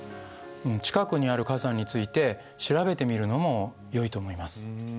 近くにある火山について調べてみるのもよいと思います。